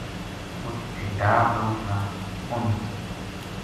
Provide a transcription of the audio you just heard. اُت ٹھیکیدار لوک تھا اُنھ